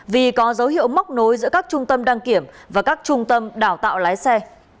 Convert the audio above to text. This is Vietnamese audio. vì có dấu hiệu móc nối giữa các trung tâm đăng kiểm và các trung tâm đào tạo lái xe